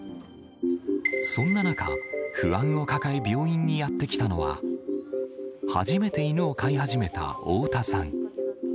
そんな中、不安を抱え、病院にやって来たのは、初めて犬を飼い始めた太田さん。